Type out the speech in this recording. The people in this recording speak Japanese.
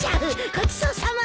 ごちそうさま！